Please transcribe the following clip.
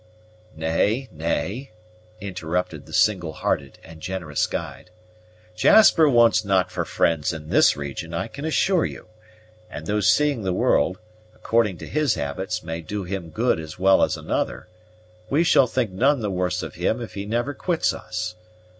"Nay, nay," interrupted the single hearted and generous guide; "Jasper wants not for friends in this region, I can assure you; and though seeing the world, according to his habits, may do him good as well as another, we shall think none the worse of him if he never quits us.